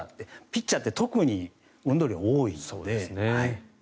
ピッチャーって特に運動量が多いので。